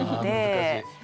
難しい。